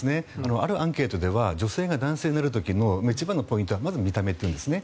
あるアンケートでは女性が男性を見る時の一番のポイントはまず見た目というんですね。